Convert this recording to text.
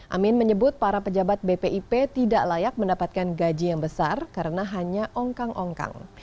amin menyebut para pejabat bpip tidak layak mendapatkan gaji yang besar karena hanya ongkang ongkang